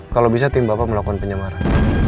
kalau bisa tim bapak melakukan penyemaran